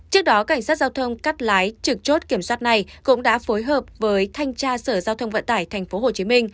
trước đó cảnh sát giao thông cắt lái trực chốt kiểm soát này cũng đã phối hợp với thanh tra sở giao thông vận tải tp hcm